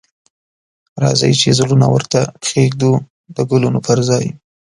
راځئ چې زړونه ورته کښیږدو د ګلونو پر ځای